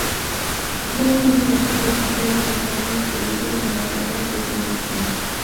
Dos años más tarde, luchó en el lado victorioso en la batalla de Blenheim.